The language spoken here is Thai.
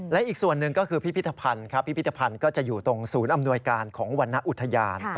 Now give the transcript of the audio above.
และอีกส่วนหนึ่งก็คือพิพิธภัณฑ์ครับพิพิธภัณฑ์ก็จะอยู่ตรงศูนย์อำนวยการของวรรณอุทยาน